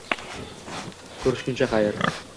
Ko'rishguncha xayr!